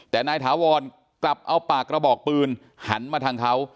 แต่นายถาวรกลับเอาปากกระบอกปืนหันมาทางเขา